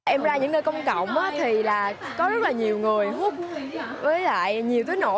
em ra những nơi công cộng thì có rất là nhiều người hút với lại nhiều tối nổ